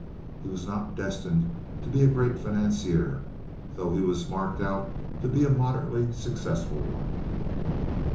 He was not destined to be a great financier, though he was marked out to be a moderately successful one.